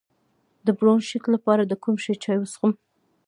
د برونشیت لپاره د کوم شي چای وڅښم؟